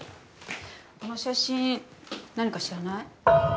この写真何か知らない？